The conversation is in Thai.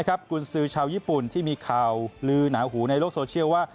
กุญสือชาวญี่ปุ่นที่มีข่าวลือหนาหูในโลกโซเชียลว่า